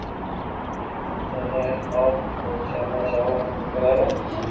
دآدا ھين آپ او چاور جي اووہ ني کراوي